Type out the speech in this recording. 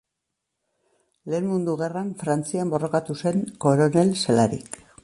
Lehen Mundu Gerran Frantzian borrokatu zen, koronel zelarik.